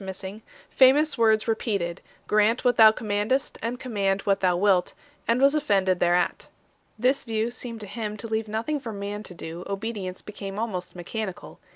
Instanv famous words repeated "Grant what Thou coiini. 1 ^. ^f^A com mand what Thou wilt 2 " and was offended thereat 3 . This view seemed to him to leave nothing for man to do ; obedience became almost mechanical.